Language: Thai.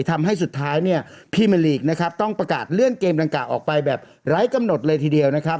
ทำให้สุดท้ายพรีเมอร์ลีกต้องประกาศเลื่อนเกมรังกะออกไปแบบไร้กำหนดเลยทีเดียวนะครับ